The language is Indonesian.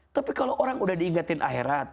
tapi kalau orang sudah diingatkan tentang akhirat